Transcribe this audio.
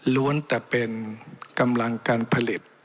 แต่เป็นกำลังการผลิต